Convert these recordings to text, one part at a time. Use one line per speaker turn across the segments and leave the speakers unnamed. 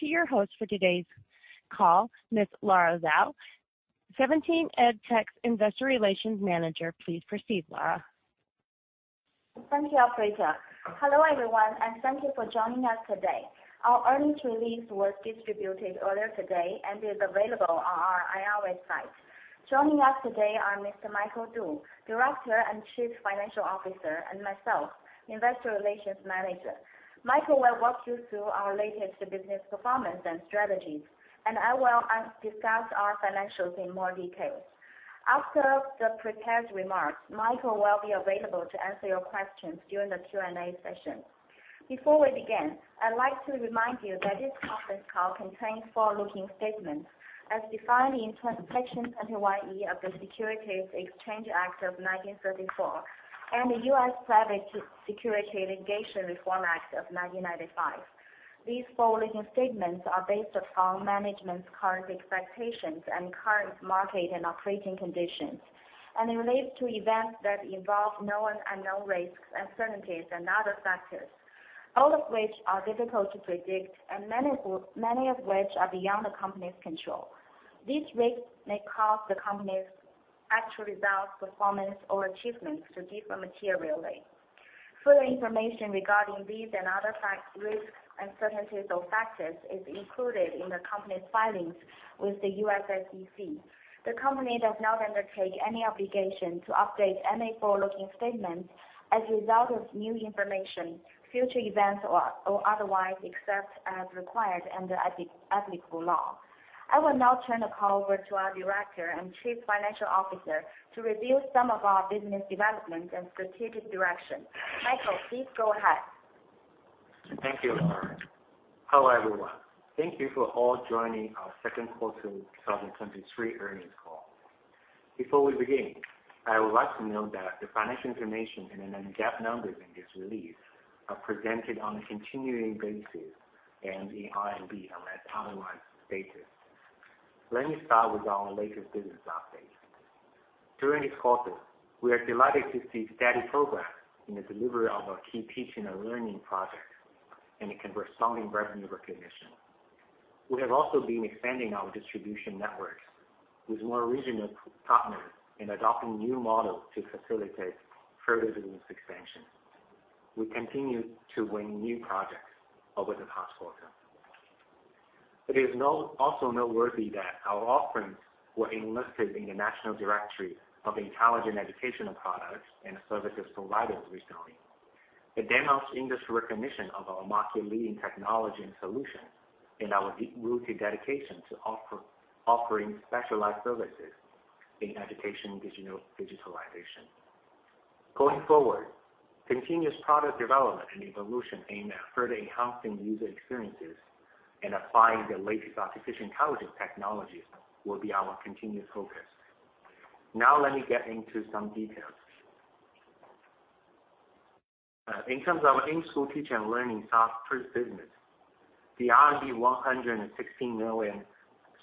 To your host for today's call, Ms. Lara Zhao, 17EdTech's Investor Relations Manager. Please proceed, Lara.
Thank you, operator. Hello, everyone, and thank you for joining us today. Our earnings release was distributed earlier today and is available on our IR website. Joining us today are Mr. Michael Du, Director and Chief Financial Officer, and myself, Investor Relations Manager. Michael will walk you through our latest business performance and strategies, and I will discuss our financials in more detail. After the prepared remarks, Michael will be available to answer your questions during the Q&A session. Before we begin, I'd like to remind you that this conference call contains forward-looking statements as defined in Section 21 of the Securities Exchange Act of 1934, and the U.S. Private Securities Litigation Reform Act of 1995. These forward-looking statements are based upon management's current expectations and current market and operating conditions, and they relate to events that involve known and unknown risks, uncertainties and other factors, all of which are difficult to predict and many of which are beyond the company's control. These risks may cause the company's actual results, performance, or achievements to differ materially. Further information regarding these and other factors, risks, uncertainties, or factors is included in the company's filings with the U.S. SEC. The company does not undertake any obligation to update any forward-looking statements as a result of new information, future events, or otherwise, except as required under applicable law. I will now turn the call over to our Director and Chief Financial Officer to review some of our business development and strategic direction. Michael, please go ahead.
Thank you, Lara. Hello, everyone. Thank you for all joining our second quarter 2023 earnings call. Before we begin, I would like to note that the financial information and the non-GAAP numbers in this release are presented on a continuing basis and in RMB, unless otherwise stated. Let me start with our latest business update. During this quarter, we are delighted to see steady progress in the delivery of our key teaching and learning projects and a corresponding revenue recognition. We have also been expanding our distribution networks with more regional partners in adopting new models to facilitate further business expansion. We continued to win new projects over the past quarter. It is also noteworthy that our offerings were enlisted in the National Directory of Intelligent Educational Products and Services Providers recently. It denotes industry recognition of our market-leading technology and solution, and our deep-rooted dedication to offering specialized services in education digitalization. Going forward, continuous product development and evolution aimed at further enhancing user experiences and applying the latest artificial intelligence technologies will be our continued focus. Now let me get into some details. In terms of in-school teaching and learning software business, the 116 million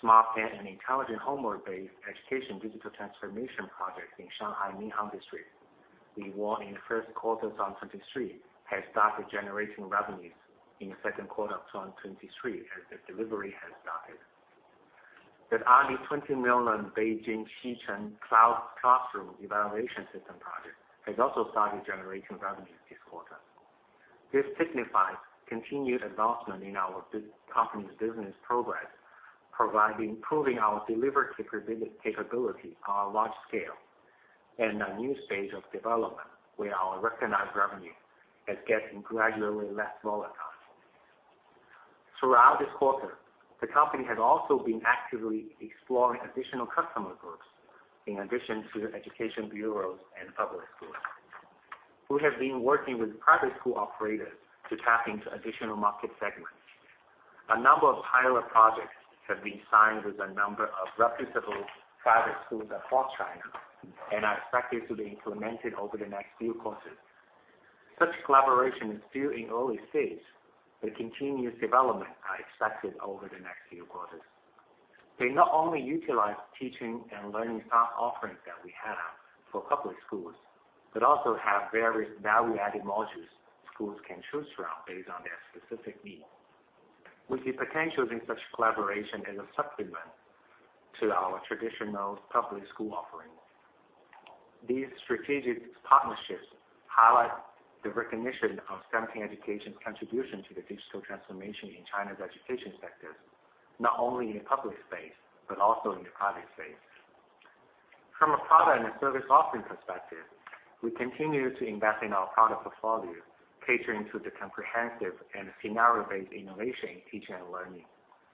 smart and intelligent homework-based education digital transformation project in Shanghai, Minhang District, we won in first quarter 2023, has started generating revenues in the second quarter of 2023 as the delivery has started. The 20 million Beijing Xicheng District Cloud Classroom Evaluation System project has also started generating revenues this quarter. This signifies continued advancement in our company's business progress, providing, improving our delivery capability on a large scale and a new stage of development, where our recognized revenue is getting gradually less volatile. Throughout this quarter, the company has also been actively exploring additional customer groups, in addition to the education bureaus and public schools. We have been working with private school operators to tap into additional market segments. A number of pilot projects have been signed with a number of reputable private schools across China, and are expected to be implemented over the next few quarters. Such collaboration is still in early stage, but continuous development are expected over the next few quarters. They not only utilize teaching and learning soft offerings that we have for public schools, but also have various value-added modules schools can choose from based on their specific needs, with the potential in such collaboration as a supplement to our traditional public school offerings. These strategic partnerships highlight the recognition of 17 Education's contribution to the digital transformation in China's education sectors, not only in the public space, but also in the private space. From a product and service offering perspective, we continue to invest in our product portfolio, catering to the comprehensive and scenario-based innovation in teaching and learning,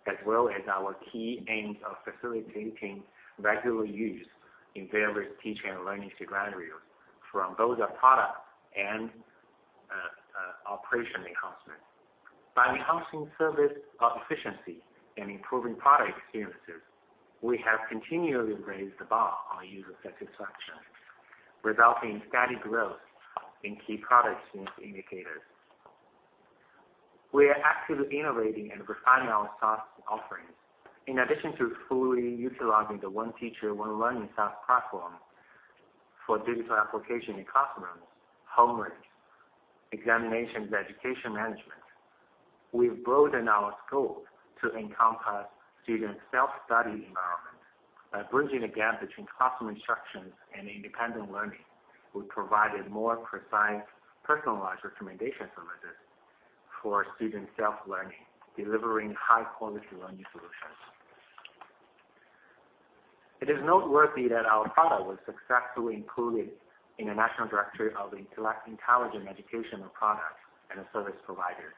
as well as our key aims of facilitating regular use in various teaching and learning scenarios from both the product and operation enhancement. By enhancing service, efficiency and improving product experiences, we have continually raised the bar on user satisfaction, resulting in steady growth in key product use indicators. We are actively innovating and refining our SaaS offerings. In addition to fully utilizing the One Teacher, One Learning SaaS platform for digital application in classrooms, homework, examinations, education management. We've broadened our scope to encompass student self-study environment. By bridging the gap between classroom instructions and independent learning, we provided more precise, personalized recommendation services for student self-learning, delivering high quality learning solutions. It is noteworthy that our product was successfully included in the National Directory of Intelligent Educational Products and Services Providers,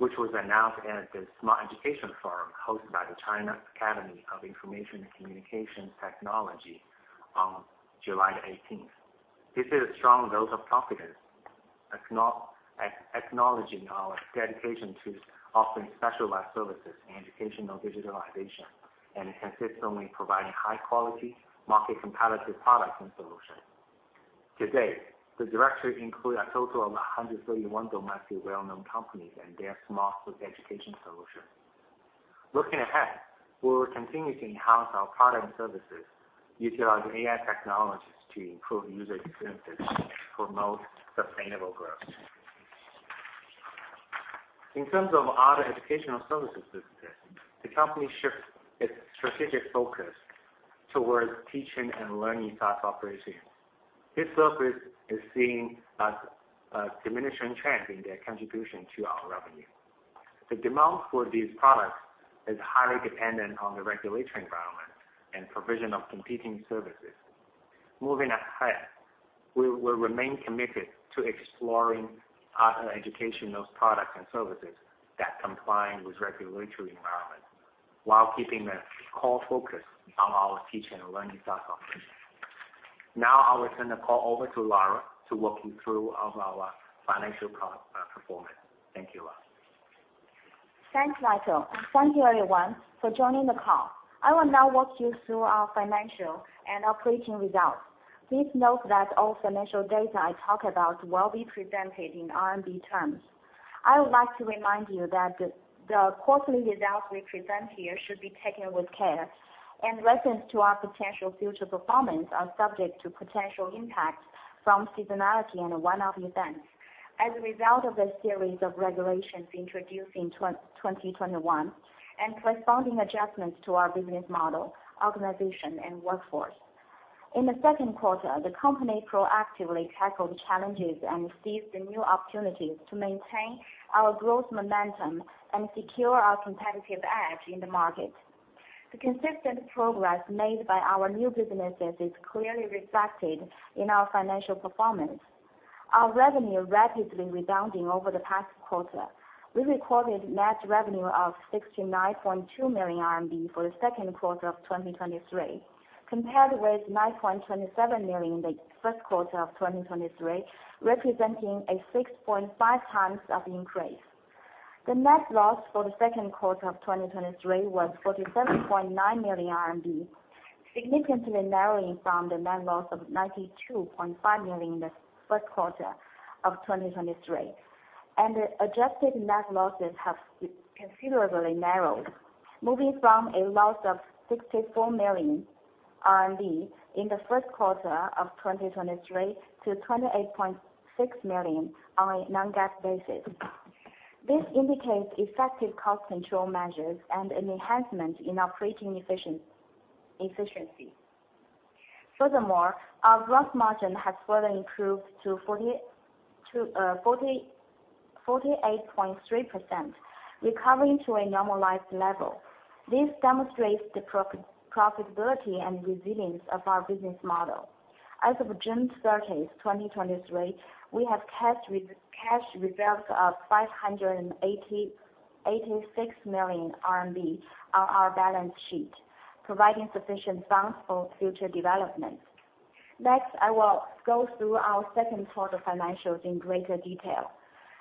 which was announced at the Smart Education Forum, hosted by the China Academy of Information and Communications Technology on July 18th. This is a strong vote of confidence, acknowledging our dedication to offering specialized services in educational digitalization, and consistently providing high quality, market competitive products and solutions. To date, the directory include a total of 131 domestically well-known companies and their smart education solutions. Looking ahead, we will continue to enhance our product and services, utilize AI technologies to improve user experiences, promote sustainable growth. In terms of other educational services businesses, the company shifts its strategic focus towards teaching and learning SaaS operations. This service is seeing a diminishing trend in their contribution to our revenue. The demand for these products is highly dependent on the regulatory environment and provision of competing services. Moving ahead, we will remain committed to exploring other educational products and services that comply with regulatory environment, while keeping the core focus on our teaching and learning SaaS operations. Now, I will turn the call over to Lara to walk you through our financial performance. Thank you, Lara.
Thanks, Michael, and thank you everyone for joining the call. I will now walk you through our financial and operating results. Please note that all financial data I talk about will be presented in RMB terms. I would like to remind you that the quarterly results we present here should be taken with care, and reference to our potential future performance are subject to potential impacts from seasonality and one-off events as a result of a series of regulations introduced in 2021, and corresponding adjustments to our business model, organization, and workforce. In the second quarter, the company proactively tackled challenges and seized the new opportunities to maintain our growth momentum and secure our competitive edge in the market. The consistent progress made by our new businesses is clearly reflected in our financial performance. Our revenue rapidly rebounding over the past quarter. We recorded net revenue of 69.2 million RMB for the second quarter of 2023, compared with 9.27 million in the first quarter of 2023, representing a 6.5x increase. The net loss for the second quarter of 2023 was 47.9 million RMB, significantly narrowing from the net loss of 92.5 million in the first quarter of 2023. The adjusted net losses have considerably narrowed, moving from a loss of 64 million RMB in the first quarter of 2023 to 28.6 million on a non-GAAP basis. This indicates effective cost control measures and an enhancement in operating efficiency. Furthermore, our gross margin has further improved to 48.3%, recovering to a normalized level. This demonstrates the profitability and resilience of our business model. As of June 30, 2023, we have cash reserves of 586 million RMB on our balance sheet, providing sufficient funds for future development. Next, I will go through our second quarter financials in greater detail.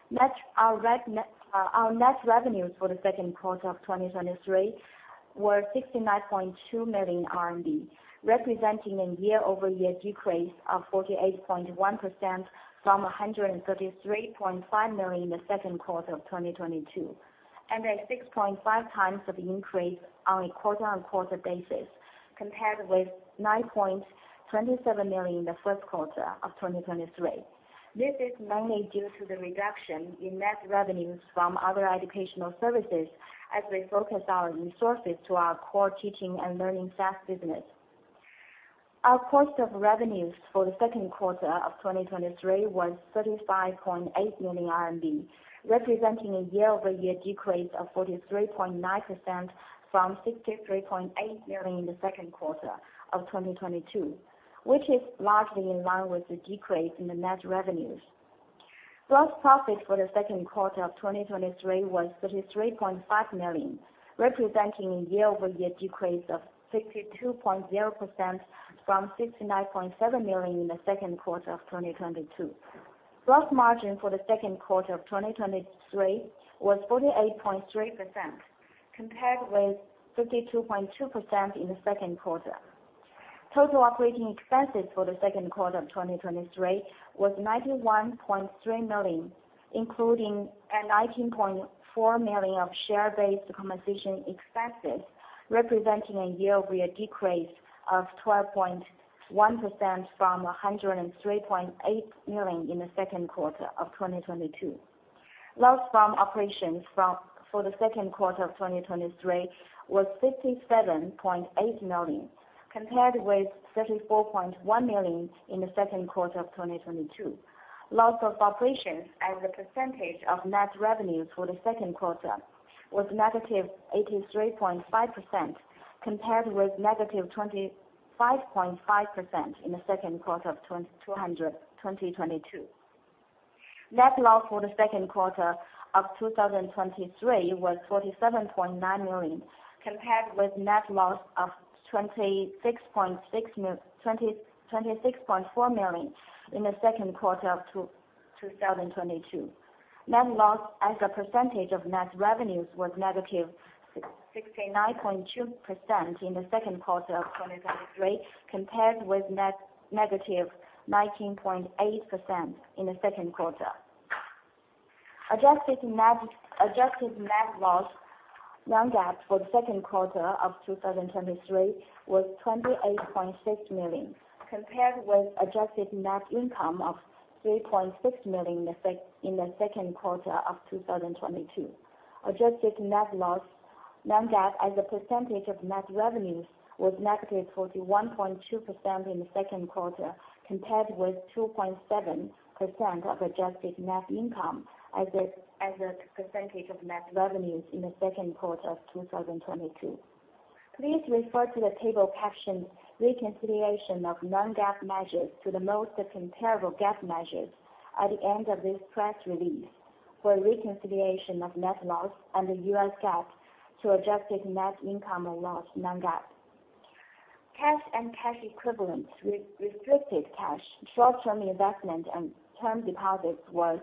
Next, our net revenues for the second quarter of 2023 were 69.2 million RMB, representing a year-over-year decrease of 48.1% from 133.5 million in the second quarter of 2022, and a 6.5x increase on a quarter-on-quarter basis compared with 9.27 million in the first quarter of 2023. This is mainly due to the reduction in net revenues from other educational services, as we focus our resources to our core teaching and learning SaaS business. Our cost of revenues for the second quarter of 2023 was 35.8 million RMB, representing a year-over-year decrease of 43.9% from 63.8 million in the second quarter of 2022, which is largely in line with the decrease in the net revenues. Gross profit for the second quarter of 2023 was 33.5 million, representing a year-over-year decrease of 62.0% from 69.7 million in the second quarter of 2022. Gross margin for the second quarter of 2023 was 48.3%, compared with 52.2% in the second quarter. Total operating expenses for the second quarter of 2023 was 91.3 million, including, nineteen point four million of share-based compensation expenses, representing a year-over-year decrease of 12.1% from 103.8 million in the second quarter of 2022. Loss from operations for the second quarter of 2023 was 67.8 million, compared with 34.1 million in the second quarter of 2022. Loss of operations as a percentage of net revenues for the second quarter was -83.5%, compared with -25.5% in the second quarter of 2022. Net loss for the second quarter of 2023 was 47.9 million, compared with net loss of 26.4 million in the second quarter of 2022. Net loss as a percentage of net revenues was -69.2% in the second quarter of 2023, compared with net negative 19.8% in the second quarter. Adjusted net loss non-GAAP for the second quarter of 2023 was 28.6 million, compared with adjusted net income of 3.6 million in the second quarter of 2022. Adjusted net loss non-GAAP as a percentage of net revenues was -41.2% in the second quarter, compared with 2.7% of adjusted net income as a percentage of net revenues in the second quarter of 2022. Please refer to the table captioned "Reconciliation of non-GAAP measures to the most comparable GAAP measures" at the end of this press release, for a reconciliation of net loss under U.S. GAAP to adjusted net income or loss non-GAAP. Cash and cash equivalents, restricted cash, short-term investments, and term deposits was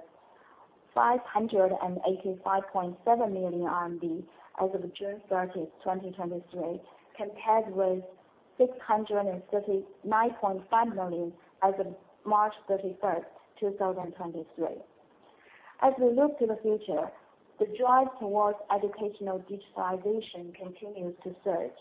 585.7 million RMB as of June 30, 2023, compared with 639.5 million as of March 31, 2023. As we look to the future, the drive towards educational digitization continues to surge.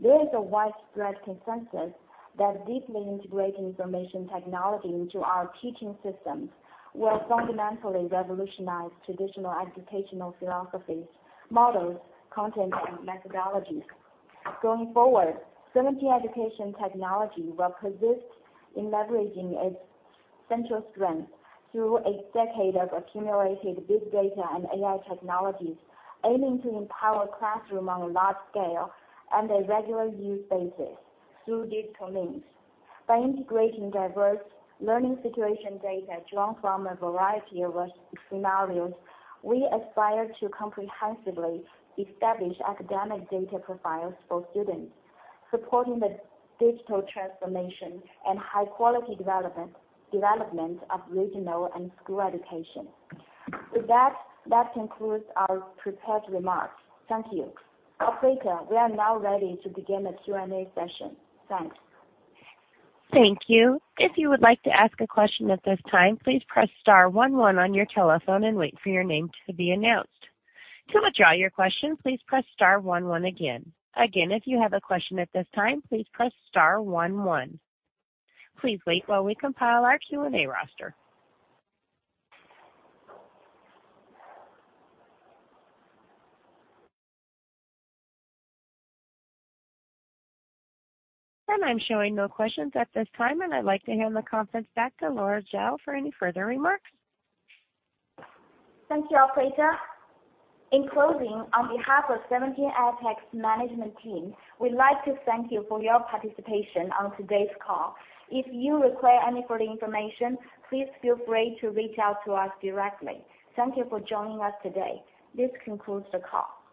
There is a widespread consensus that deeply integrating information technology into our teaching systems will fundamentally revolutionize traditional educational philosophies, models, content, and methodologies. Going forward, 17 Education & Technology will persist in leveraging its central strength through a decade of accumulated big data and AI technologies, aiming to empower classroom on a large scale and a regular use basis through digital means. By integrating diverse learning situation data drawn from a variety of scenarios, we aspire to comprehensively establish academic data profiles for students, supporting the digital transformation and high quality development, development of regional and school education. With that, that concludes our prepared remarks. Thank you. Operator, we are now ready to begin the Q&A session. Thanks.
Thank you. If you would like to ask a question at this time, please press star one one on your telephone and wait for your name to be announced. To withdraw your question, please press star one one again. Again, if you have a question at this time, please press star one one. Please wait while we compile our Q&A roster. And I'm showing no questions at this time, and I'd like to hand the conference back to Lara Zhao for any further remarks.
Thank you, Operator. In closing, on behalf of 17EdTech's management team, we'd like to thank you for your participation on today's call. If you require any further information, please feel free to reach out to us directly. Thank you for joining us today. This concludes the call.